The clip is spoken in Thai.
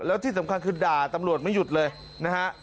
แล้วที่สำคัญคือด่าตำรวจไม่หยุดเลยนะฮะ